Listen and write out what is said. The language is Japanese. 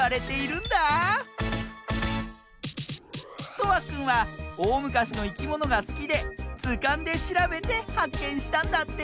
とわくんはおおむかしのいきものがすきでずかんでしらべてはっけんしたんだって！